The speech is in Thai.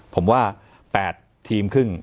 ผมว่า๘ทีมครึ่ง